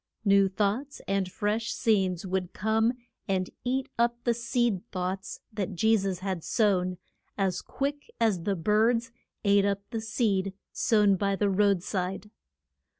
New thoughts and fresh scenes would come and eat up the seed thoughts that Je sus had sown, as quick as the birds ate up the seed sown by the road side.